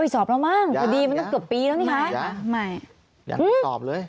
สอบเราบ้างพอดีมันต้องเกือบปีแล้วนี่ค่ะอย่างนี้ค่ะไม่อยากสอบเลย